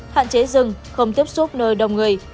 hạn chế dừng không tiếp xúc nơi đông người